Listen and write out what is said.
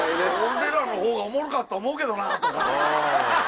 俺らのほうがおもろかったと思うけどなとか。